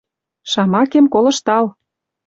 Шамакем колыштал.